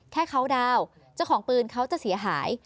แค่เขาดาวน์เจ้าของปืนเขาจะเสียหาย